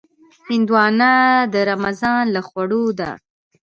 هندوانه د رمضان له خوړو ده.